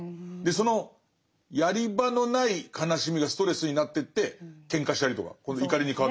そのやり場のない悲しみがストレスになってってケンカしたりとか。